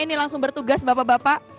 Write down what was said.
ini langsung bertugas bapak bapak